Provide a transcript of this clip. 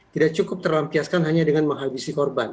tidak cukup terlampiaskan hanya dengan menghabisi korban